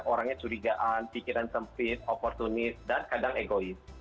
orangnya curigaan pikiran sempit oportunis dan kadang egois